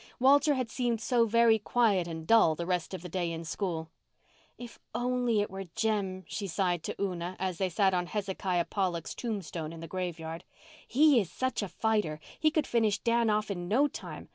Walter had seemed so very quiet and dull the rest of the day in school. "If it were only Jem," she sighed to Una, as they sat on Hezekiah Pollock's tombstone in the graveyard. "He is such a fighter—he could finish Dan off in no time.